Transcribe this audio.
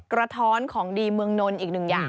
กระท้อนของดีเมืองนนท์อีกหนึ่งอย่าง